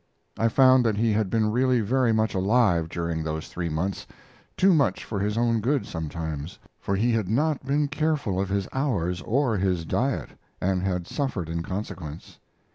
I found that he had been really very much alive during those three months too much for his own good, sometimes for he had not been careful of his hours or his diet, and had suffered in consequence.